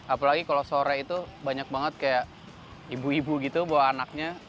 apalagi kalau sore itu banyak banget kayak ibu ibu gitu bawa anaknya